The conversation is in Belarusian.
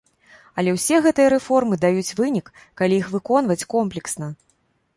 Але ўсе гэтыя рэформы даюць вынік, калі іх выконваць комплексна.